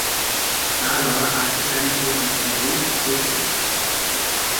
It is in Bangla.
তার বাবা আর্থার সাইমন ছিলেন একজন তড়িৎ প্রকৌশলী।